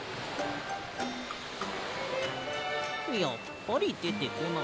やっぱりでてこない。